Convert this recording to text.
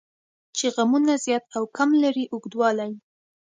چې غمونه زیات او کم لري اوږدوالی.